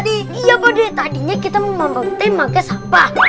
iya pakde tadinya kita mau mampetin pakai sampah